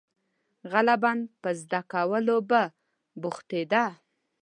• غالباً په زده کولو به بوختېده.